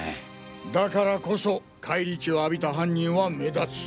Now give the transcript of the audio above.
だからこそ返り血を浴びた犯人は目立つ。